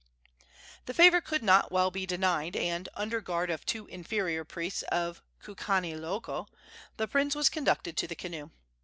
The favor could not well be denied, and, under guard of two inferior priests of Kukaniloko, the prince was conducted to the canoe.